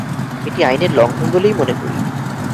এটি আইনের লঙ্ঘন বলেই মনে করি।